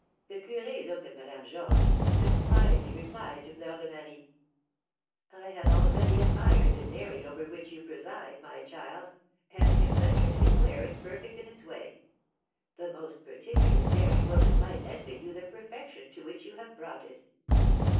The curé looked at Madame Georges, then smilingly replied to Fleur de Marie: "I have already admired the dairy over which you preside, my child, and can venture to declare it perfect in its way; the most particular dairy woman might envy you the perfection to which you have brought it.